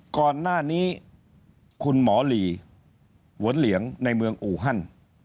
ก่อนหน้านี้คุณหมอหลีหวนเหลียงในเมืองอูฮัน